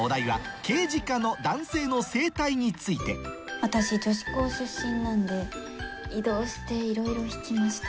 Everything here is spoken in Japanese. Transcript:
今夜の私女子校出身なんで異動していろいろ引きました。